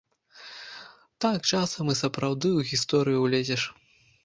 Так часам і сапраўды ў гісторыю ўлезеш.